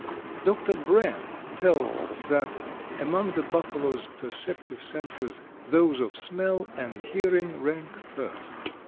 Dr. Brehm tells us that "among the Buffalo's perceptive senses those of smell and hearing rank first.